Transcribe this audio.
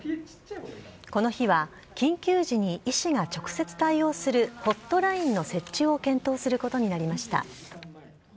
この日は、緊急時に医師が直接対応するホットラインの設置を検討することになりました。